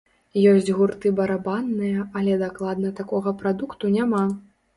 Ёсць гурты барабанныя, але дакладна такога прадукту няма.